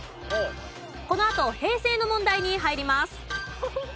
このあと平成の問題に入ります。